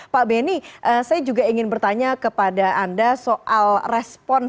pak benny saya juga ingin bertanya kepada anda soal respon